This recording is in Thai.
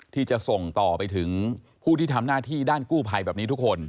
ที่จะส่งต่อไปถึงผู้ที่ทำหน้าที่ด้านกู้ภัยแบบนี้ทุกคน